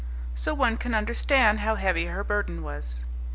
So one can understand how heavy her burden was.